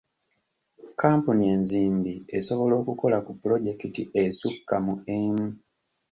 Kampuni enzimbi esobola okukola ku pulojekiti esukka mu emu.